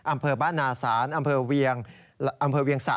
อำเภอบ้านนาศรอำเภอเวียงสะ